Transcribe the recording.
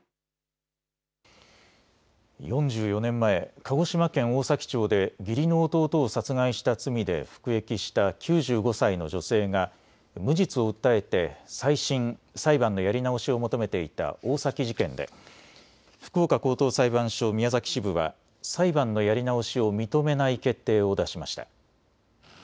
４４年前、鹿児島県大崎町で義理の弟を殺害した罪で服役した９５歳の女性が無実を訴えて再審・裁判のやり直しを求めていた大崎事件で福岡高等裁判所宮崎支部は裁判のやり直しを認めない決定を出しました。